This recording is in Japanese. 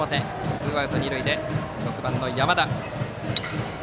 ツーアウト二塁で、６番の山田。